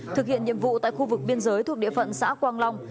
thực hiện nhiệm vụ tại khu vực biên giới thuộc địa phận xã quang long